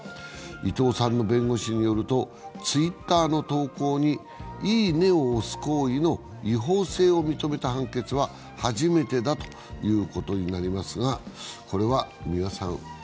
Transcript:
伊藤さんの弁護士によるとＴｗｉｔｔｅｒの投稿に「いいね」を押す行為の違法性を認めた判決は初めてだということになります。